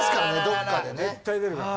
どっかでね。